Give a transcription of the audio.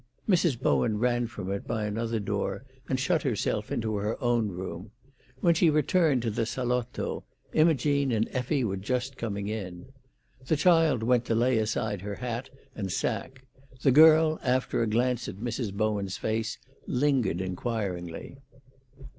Mrs. Bowen ran from it by another door, and shut herself into her own room. When she returned to the salotto, Imogene and Effie were just coming in. The child went to lay aside her hat and sacque; the girl, after a glance at Mrs. Bowen's face, lingered inquiringly.